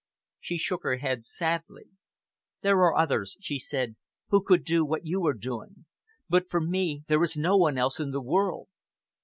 She shook her head sadly. "There are others," she said, "who could do what you are doing. But for me there is no one else in the world."